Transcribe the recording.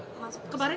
masuk ke baris